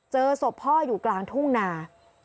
เจอศพพ่ออยู่กลางทุ่งนา